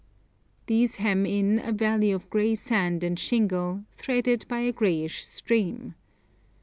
These hem in a valley of grey sand and shingle, threaded by a greyish stream.